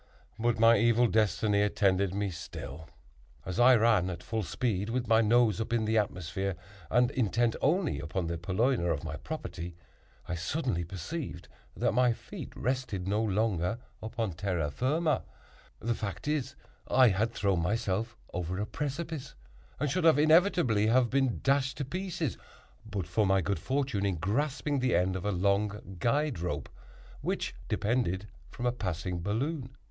But my evil destiny attended me still. As I ran at full speed, with my nose up in the atmosphere, and intent only upon the purloiner of my property, I suddenly perceived that my feet rested no longer upon terra firma; the fact is, I had thrown myself over a precipice, and should inevitably have been dashed to pieces but for my good fortune in grasping the end of a long guide rope, which depended from a passing balloon.